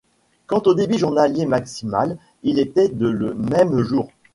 Quant au débit journalier maximal il était de le même jour.